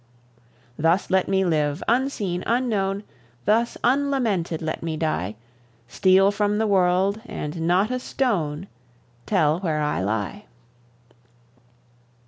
Thus let me live, unseen, unknown; Thus unlamented let me die; Steal from the world, and not a stone Tell where I lie.